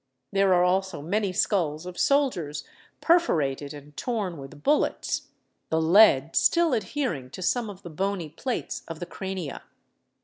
There are also many skulls of soldiers perforated and torn with bullets, the lead still adhering to some of the bony plates of the crania.